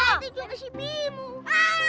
itu juga si bimok